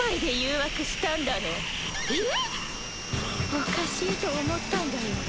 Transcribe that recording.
おかしいと思ったんだよ。